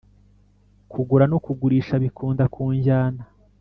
kugura no kugurisha bikunda kunjyana